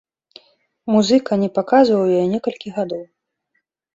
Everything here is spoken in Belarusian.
Музыка не паказваў яе некалькі гадоў.